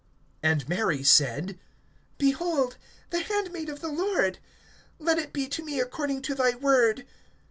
(38)And Mary said: Behold the handmaid of the Lord; let it be to me according to thy word.